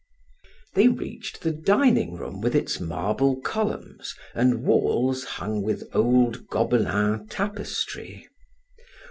They reached the dining room with its marble columns and walls hung with old Gobelins tapestry.